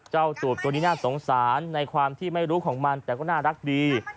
สูตรตัวนี้น่าสงสารในความที่ไม่รู้ของมันแต่ก็น่ารักดี